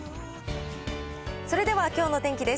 それではきょうのお天気です。